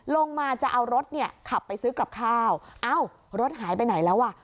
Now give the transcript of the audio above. ลงมาจะเอารถขับไปซื้อกลับข้าวรถหายไปไหนแล้ววะ